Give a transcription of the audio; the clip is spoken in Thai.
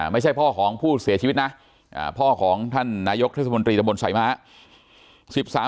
ไม่ใช่พ่อของผู้เสียชีวิตนะพ่อของท่านนายกเทศมนตรีตะบนสายม้า